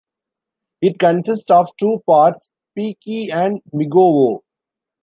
It consists of two parts: Piecki and Migowo.